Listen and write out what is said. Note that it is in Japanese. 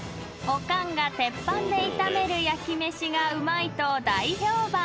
［オカンが鉄板で炒める焼き飯がうまいと大評判］